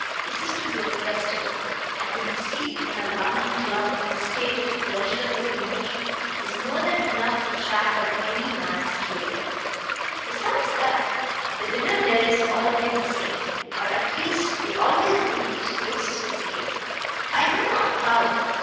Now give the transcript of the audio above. This is to be a festival, and to be seen in a London club in a state of pleasurable emotion is more than enough to shatter any man's career. Besides that, the dinner there is always the same, or at least they always make it taste the same, I know not how.